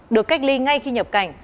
được cách ly ngay khi nhập cảnh